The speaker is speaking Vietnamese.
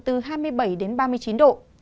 nhiệt độ giao động từ hai mươi bảy ba mươi chín độ